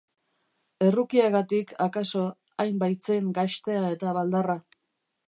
Errukiagatik, akaso, hain baitzen gaxtea eta baldarra.